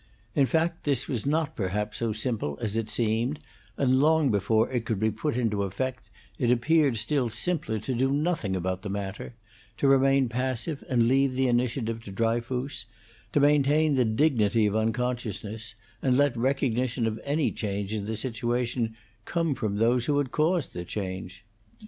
In fact, this was not perhaps so simple as it seemed, and long before it could be put in effect it appeared still simpler to do nothing about the matter to remain passive and leave the initiative to Dryfoos, to maintain the dignity of unconsciousness and let recognition of any change in the situation come from those who had caused the change.